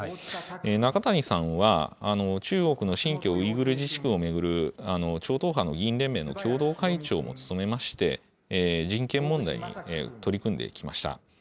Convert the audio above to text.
中谷さんは、中国の新疆ウイグル自治区を巡る超党派の議員連盟の共同会長も務めまして、人権問題に取り組んできました。